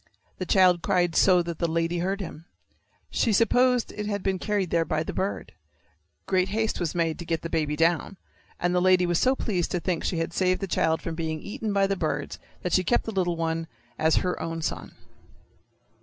The child cried so that the lady heard him. She supposed it had been carried there by the bird. Great haste was made to get the baby down, and the lady was so pleased to think she had saved the child from being eaten by the birds that she kept the little one as her own son.